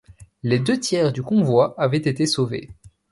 Les deux tiers du convoi avaient été sauvés.